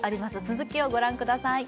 続きをご覧ください